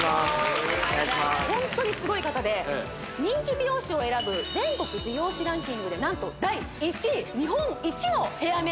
ホントにスゴい方で人気美容師を選ぶ全国美容師ランキングで何と第１位日本一のヘアメ−